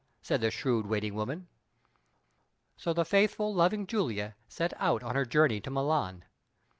said the shrewd waiting woman. So the faithful, loving Julia set out on her journey to Milan.